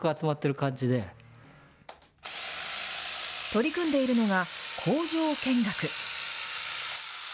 取り組んでいるのが、工場見学。